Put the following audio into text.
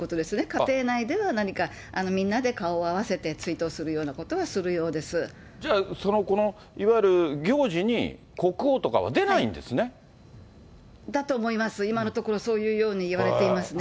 家庭内での何か、みんなで顔を合わせて追悼するようなことはするじゃあ、そのいわゆる行事に、だと思います、今のところ、そういうようにいわれていますね。